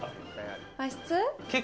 和室。